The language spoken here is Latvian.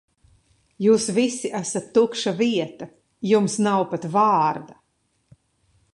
Jūs visi esat tukša vieta, jums nav pat vārda.